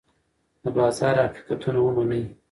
د بازار حقیقتونه ومنئ.